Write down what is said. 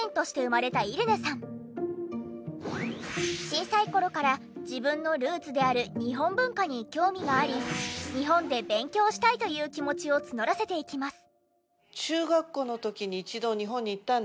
小さい頃から自分のルーツである日本文化に興味があり日本で勉強したいという気持ちを募らせていきます。